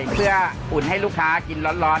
ปู่พญานาคี่อยู่ในกล่อง